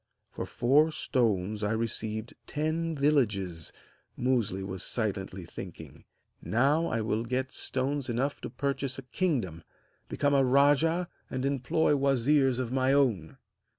'For four stones I received ten villages,' Musli was silently thinking; 'now I will get stones enough to purchase a kingdom, become a rajah, and employ wazirs of my own!'